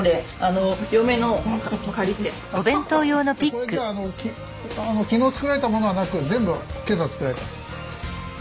これじゃあ昨日作られたものはなく全部今朝作られたんですか？